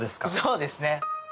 そうですね。